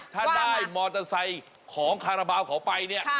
ถ้าได้มอเตอร์ไซค์ของคาราบาลเขาไปเนี่ย